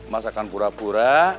mas akan pura pura